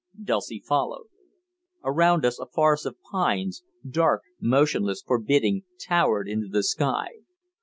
Dulcie followed. Around us a forest of pines, dark, motionless, forbidding, towered into the sky.